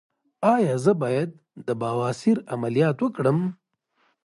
ایا زه باید د بواسیر عملیات وکړم؟